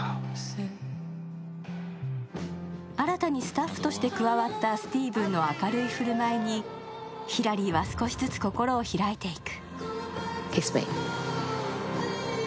新たにスタッフとして加わったスティーヴンの明るい振る舞いにヒラリーは少しずつ心を開いていく。